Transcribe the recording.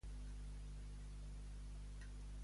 I què es sumava al real?